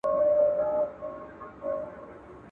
بيزو وان سو په چغارو په نارو سو.